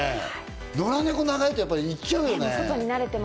野良ネコ長いといっちゃうよね。